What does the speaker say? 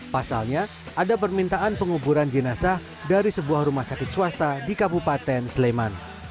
pasalnya ada permintaan penguburan jenazah dari sebuah rumah sakit swasta di kabupaten sleman